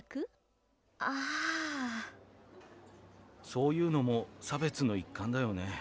そういうのも差別の一環だよね。